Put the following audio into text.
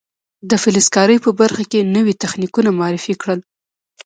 د فلز کارۍ په برخه کې نوي تخنیکونه معرفي کړل.